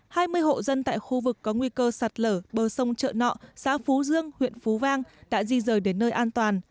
hai mươi hộ dân tại khu vực có nguy cơ sạt lở bờ sông chợ nọ xã phú dương huyện phú vang đã di rời đến nơi an toàn